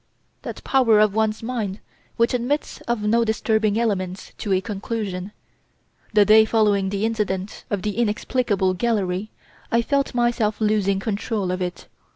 "That power of one's mind which admits of no disturbing elements to a conclusion. The day following the incident of 'the inexplicable gallery,' I felt myself losing control of it.